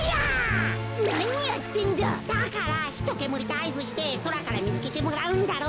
だからひとけむりであいずしてそらからみつけてもらうんだろ？